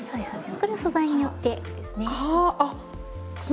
これは素材によってですね。